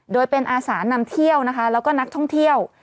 โดยเป็นอาสานำเที่ยวนะคะแล้วก็นักท่องเที่ยว